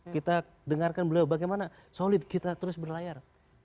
kita dengarkan beliau bagaimana solid kita terus berlayar